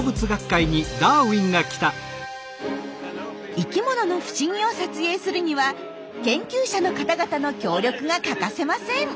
生きものの不思議を撮影するには研究者の方々の協力が欠かせません。